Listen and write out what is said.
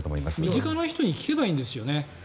身近な人に聞けばいいんですよね。